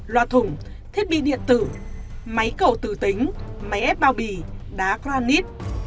loa thủng thiết bị điện tử máy cầu tử tính máy ép bao bì đá granite